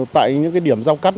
tại những điểm giao cắt